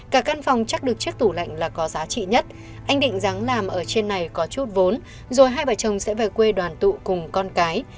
cả căn phòng chắc được chiếc tủ lạnh là có giá trị nhất anh định dáng làm ở trên này có chút vốn rồi hai bà chồng sẽ về quê đoàn tụ cùng con cái